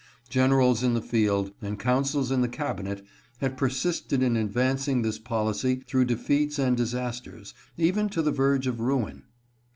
Generals in the field, and councils in the Cabinet, had persisted in advancing this policy through defeats and disasters, even to the verge of ruin.